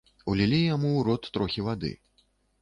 Улілі яму ў рот трохі вады.